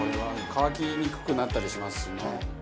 乾きにくくなったりしますしね。